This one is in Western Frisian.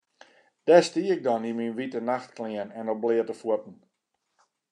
Dêr stie ik dan yn myn wite nachtklean en op bleate fuotten.